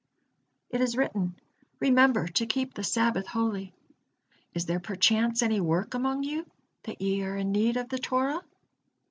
It is written: 'Remember to keep the Sabbath holy.' Is there perchance any work among you, that ye are in need of the Torah?